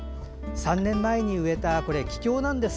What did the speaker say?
３年前に植えたキキョウです。